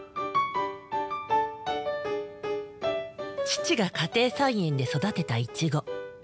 父が家庭菜園で育てたイチゴ。